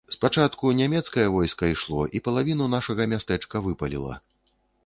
Спачатку нямецкае войска ішло і палавіну нашага мястэчка выпаліла.